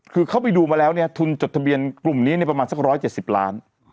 คือเขาไปดูมาแล้วเนี่ยทุนจดทะเบียนกลุ่มนี้เนี่ยประมาน๔๗๓